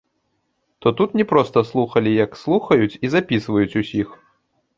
То тут не проста слухалі, як слухаюць і запісваюць усіх.